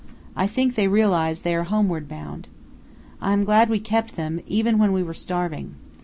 I think they realize they are homeward bound. I am glad we kept them, even when we were starving.